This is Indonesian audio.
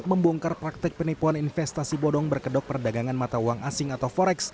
membongkar praktek penipuan investasi bodong berkedok perdagangan mata uang asing atau forex